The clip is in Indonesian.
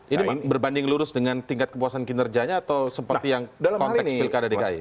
ini berbanding lurus dengan tingkat kepuasan kinerjanya atau seperti yang konteks pilkada dki